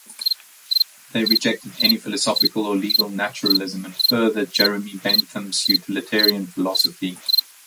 They rejected any philosophical or legal naturalism and furthered Jeremy Bentham's utilitarian philosophy.